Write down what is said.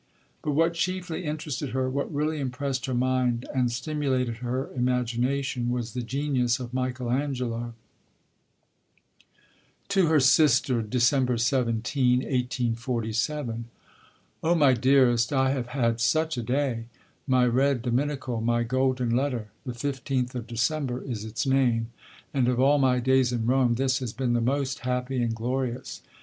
But what chiefly interested her, what really impressed her mind and stimulated her imagination, was the genius of Michael Angelo: (To her Sister.) December 17 . Oh, my dearest, I have had such a day my red Dominical, my Golden Letter, the 15th of December is its name, and of all my days in Rome this has been the most happy and glorious.